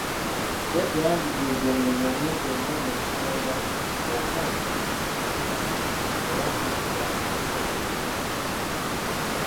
Jjajja yanjigiriza emirimu mingi omuli; okufumba, okwoza, okulima era ng'essira aliteeka ku buyonjo.